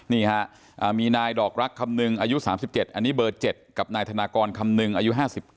นี่ฮะมีนายดอกรักคำนึงอายุ๓๗อันนี้เบอร์๗กับนายธนากรคำนึงอายุ๕๙